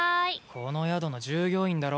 この宿の従業員だろ？